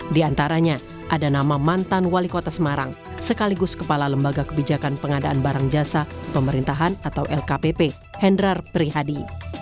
di antaranya ada nama mantan wali kota semarang sekaligus kepala lembaga kebijakan pengadaan barang jasa pemerintahan atau lkpp hendrar prihadi